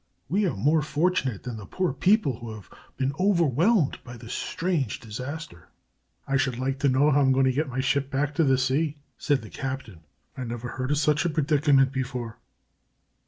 "We are more fortunate than the poor people who have been overwhelmed by this strange disaster." "I should like to know how I am going to get my ship back to the sea," said the captain. "I never heard of such a predicament before."